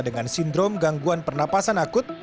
dengan sindrom gangguan pernapasan akut